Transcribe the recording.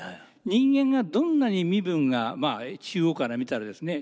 人間がどんなに身分が中央から見たらですね